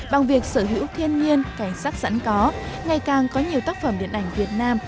bằng việc sở hữu thiên nhiên cảnh sát sẵn có ngày càng có nhiều tác phẩm điện ảnh việt nam